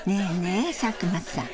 え佐久間さん。